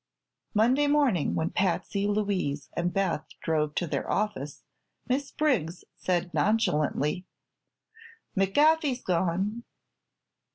Monday morning, when Patsy, Louise and Beth drove to their office, Miss Briggs said nonchalantly: "McGaffey's gone."